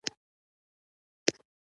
دا شی زموږ په محیط کې سوړ دی.